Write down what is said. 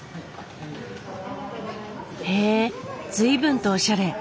へえ随分とおしゃれ。